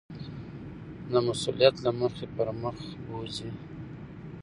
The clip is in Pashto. د مسؤلیت له مخې پر مخ بوځي.